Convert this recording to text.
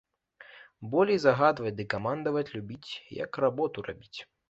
Болей загадваць ды камандаваць любіць, як работу рабіць.